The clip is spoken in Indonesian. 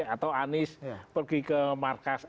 atau anies pergi ke markas